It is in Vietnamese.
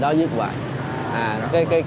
đó viết vào